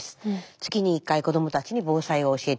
月に１回子どもたちに防災を教えています。